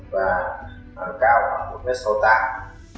và cao khoảng một m sáu mươi tám